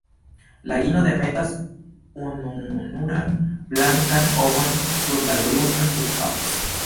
La ino demetas ununuran blankan ovon sur la grunda surfaco.